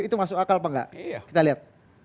itu masuk akal apa enggak kita lihat